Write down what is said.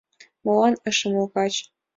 — Молан? — ыш умыло каче.